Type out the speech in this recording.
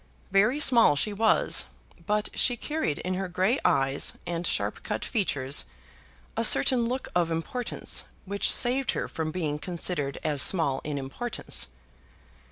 Very small she was, but she carried in her grey eyes and sharp cut features a certain look of importance which saved her from being considered as small in importance.